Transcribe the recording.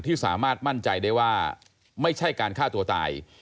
ที่สามารถมั่นใจได้ว่าไม่ใช่การฆ่าตัวตาย